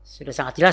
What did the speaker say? sudah sangat jelas